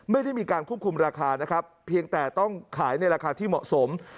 ไม่ได้มีการควบคุมราคานะครับเพียงแต่ต้องขายในราคาที่เหมาะสม